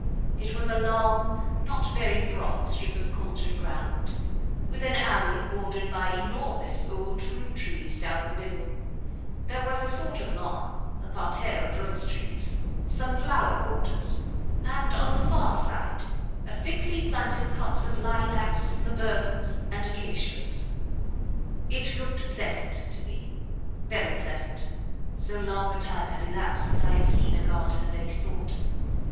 It was a long, not very broad strip of cultured ground, with an alley bordered by enormous old fruit trees down the middle; there was a sort of lawn, a parterre of rose trees, some flower borders, and, on the far side, a thickly planted copse of lilacs, laburnums, and acacias. It looked pleasant, to me very pleasant, so long a time had elapsed since I had seen a garden of any sort.